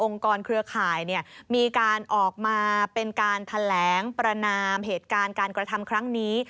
เครือข่ายมีการออกมาเป็นการแถลงประนามเหตุการณ์การกระทำครั้งนี้